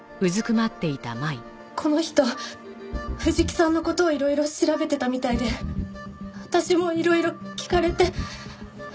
この人藤木さんの事をいろいろ調べてたみたいで私もいろいろ聞かれて。